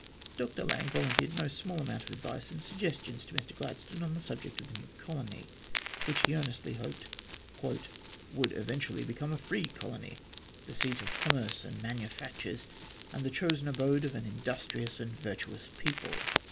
Dr Lang volunteered no small amount of advice and suggestions to Mr Gladstone on the subject of the new colony, which, he earnestly hoped, " would eventually become a free colony, the seat of commerce and manufactures, and the chosen abode of an industrious and virtuous people."